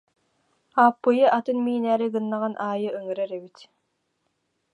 Ааппыйы атын миинээри гыннаҕын аайы ыҥырар эбит